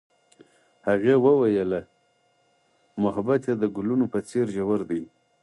هغې وویل محبت یې د ګلونه په څېر ژور دی.